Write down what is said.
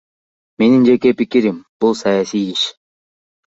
Менин жеке пикирим — бул саясий иш.